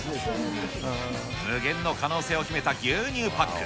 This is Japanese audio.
無限の可能性を秘めた牛乳パック。